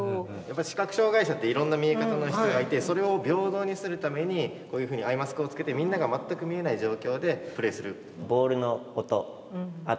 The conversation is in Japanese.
視覚障害者っていろんな見え方の人がいてそれを平等にするためにこういうふうにアイマスクをつけてみんなが全く見えない状況でプレーする。